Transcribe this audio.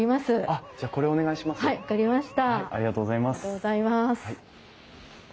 ありがとうございます。